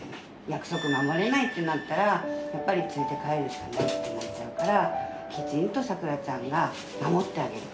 約束守れないってなったらやっぱり連れて帰るしかないってなっちゃうからきちんと桜ちゃんが守ってあげる。